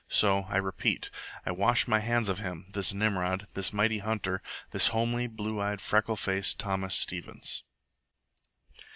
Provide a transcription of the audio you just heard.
So, I repeat, I wash my hands of him, this Nimrod, this mighty hunter, this homely, blue eyed, freckle faced Thomas Stevens.